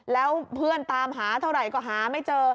แล้วเพื่อนตามหาเท่าไหร่ก็หาไม่เจอ